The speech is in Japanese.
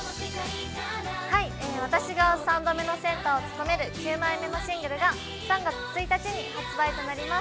◆私が３度目のセンターを務める９枚目のシングルが３月１日に発売となります。